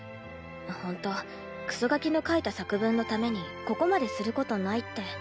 ほんとクソガキの書いた作文のためにここまですることないって。